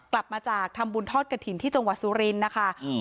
กลับมาจากทำบุญทอดกระถิ่นที่จังหวัดสุรินทร์นะคะอืม